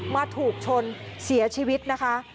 มาถูกชนเสียชีวิตนะคะ